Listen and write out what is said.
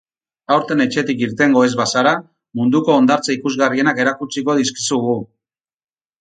Aurten etxetik irtengo ez bazara, munduko hondartza ikusgarrienak erakutsiko dizkizugu.